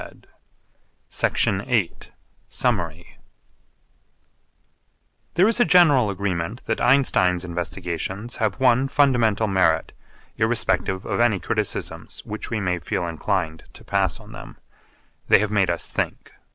CHAPTER VIII SUMMARY There is a general agreement that Einstein's investigations have one fundamental merit irrespective of any criticisms which we may feel inclined to pass on them. They have made us think.